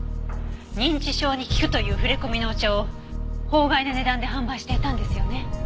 認知症に効くという触れ込みのお茶を法外な値段で販売していたんですよね。